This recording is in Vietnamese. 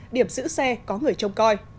điểm giữ xe có người trông coi